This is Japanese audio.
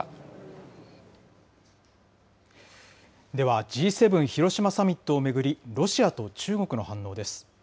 ではＧ７広島サミットを巡り、ロシアと中国の反応です。